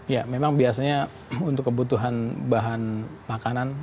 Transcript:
ya memang biasanya untuk kebutuhan bahan makanan